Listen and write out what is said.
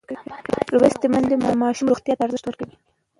لوستې میندې د ماشوم روغتیا ته ارزښت ورکوي.